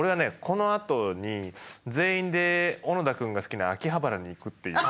このあとに全員で小野田くんが好きな秋葉原に行くっていう。